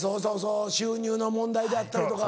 収入の問題であったりとか。